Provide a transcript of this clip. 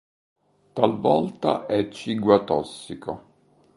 Talvolta è ciguatossico.